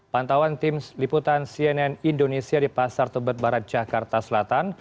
pantauan tim liputan cnn indonesia di pasar tebet barat jakarta selatan